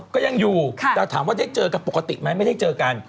ก็ยังอยู่แต่ถามว่าได้เจอกันปกติไหมไม่ได้เจอกัน